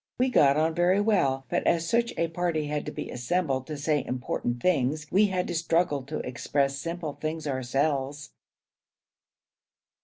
We got on very well, but as such a party had to be assembled to say important things, we had to struggle to express simple things ourselves.